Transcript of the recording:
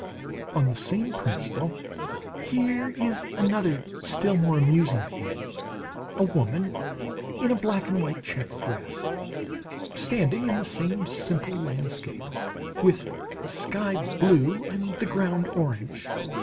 On the same principle, here is another still more amusing theme: a woman in a black and white check dress, standing in the same simple landscape, with the sky blue, and the ground orange.